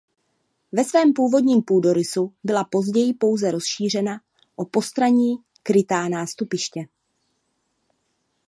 Ve svém původním půdorysu byla později pouze rozšířena o postranní krytá nástupiště.